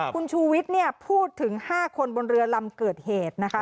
คุณชูวิทย์พูดถึง๕คนบนเรือลำเกิดเหตุนะคะ